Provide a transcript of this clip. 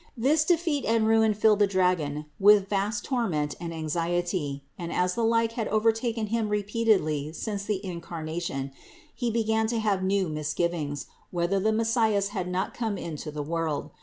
This defeat and ruin filled the dragon with vast torment and anxiety, and as the like had overtaken him repeatedly since the Incarnation, he began to have new misgivings, whether the Messias had not come into the world.